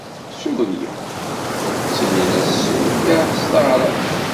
Surya ttinin-as Suriyah s taɛṛabt.